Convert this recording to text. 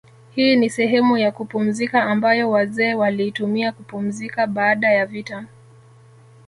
Hii ni sehemu ya kupumzika ambayo wazee waliitumia kupumzika baada ya vita